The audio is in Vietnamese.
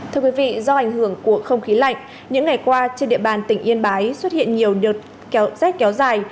thưa quý vị do ảnh hưởng của không khí lạnh những ngày qua trên địa bàn tỉnh yên bái xuất hiện nhiều rác kéo dài